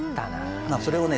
それをね